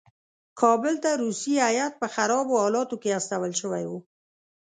کابل ته روسي هیات په خرابو حالاتو کې استول شوی وو.